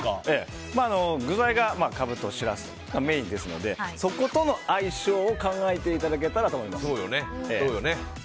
具材カブとしらすがメインですのでそことの相性を考えていただけたらと思います。